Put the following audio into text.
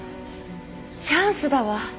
チャンスだわ！